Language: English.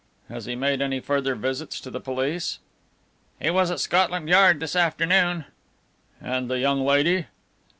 "Has he made any further visits to the police?" "He was at Scotland Yard this afternoon." "And the young lady?"